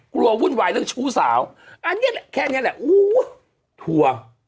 กลัววุ่นวายต้องชู้สาวแค่นี้แหละอู้ววววทั่ว